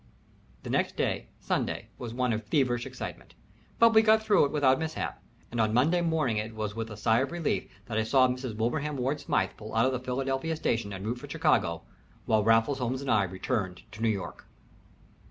The next day Sunday was one of feverish excitement, but we got through it without mishap, and on Monday morning it was with a sigh of relief that I saw Mrs. Wilbraham Ward Smythe pull out of the Philadelphia station en route for Chicago, while Raffles Holmes and I returned to New York.